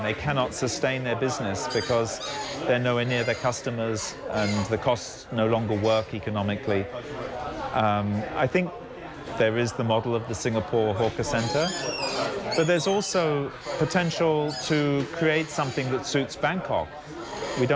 เหมือนการเป็นแบบที่อยู่ในริฟต์หัวข้าวศัตรูสิงห์โปรด